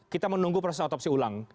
kita menunggu proses otopsi ulang